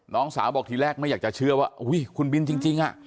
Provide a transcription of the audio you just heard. น้องสาวบอกทีแรกไม่อยากจะเชื่อว่าอุ้ยคุณบินจริงอ่ะ